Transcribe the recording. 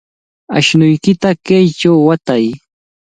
Ashnuykita kaychaw watay.